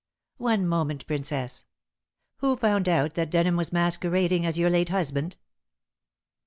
"One moment, Princess. Who found out that Denham was masquerading as your late husband?"